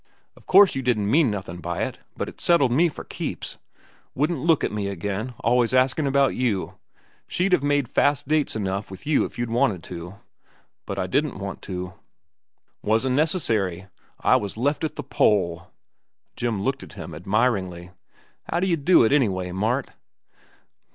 Of course you didn't mean nothin' by it, but it settled me for keeps. Wouldn't look at me again. Always askin' about you. She'd have made fast dates enough with you if you'd wanted to." "But I didn't want to." "Wasn't necessary. I was left at the pole." Jim looked at him admiringly. "How d'ye do it, anyway, Mart?"